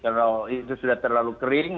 kalau itu sudah terlalu kering